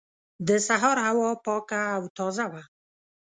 د سهار هوا پاکه او تازه وه.